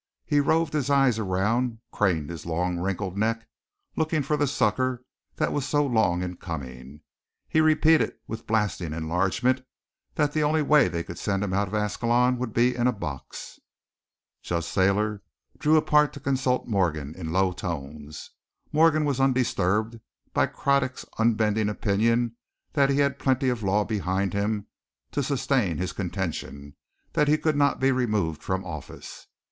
He roved his eyes around, craned his long, wrinkled neck, looking for the succor that was so long in coming. He repeated, with blasting enlargement, that the only way they could send him out of Ascalon would be in a box. Judge Thayer drew apart to consult Morgan, in low tones. Morgan was undisturbed by Craddock's unbending opinion that he had plenty of law behind him to sustain his contention that he could not be removed from office.